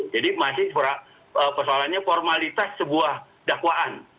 jadi masih persoalannya formalitas sebuah dakwaan